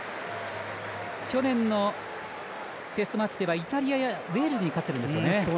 去年のテストマッチではイタリアやウェールズに勝ってるんですよね。